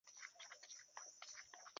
এমজের বহু আগে থেকেই জানি আমি।